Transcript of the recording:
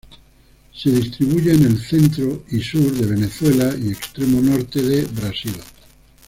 Se distribuye en el centro y sur de Venezuela y extremo norte de Brasil.